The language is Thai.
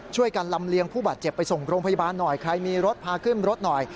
ช่วยกันลำเลียงผู้บาดเจ็บไปส่งโรงพยาบาลหน่อยใครมีรถพาขึ้นรถหน่อย